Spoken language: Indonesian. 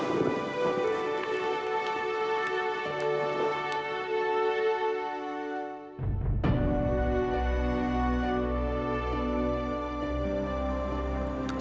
bapak mau cari apa pak